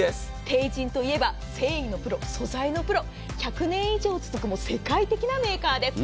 帝人といえば繊維のプロ、素材のプロ１００年以上続く世界的なメーカーです。